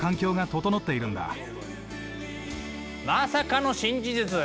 まさかの新事実！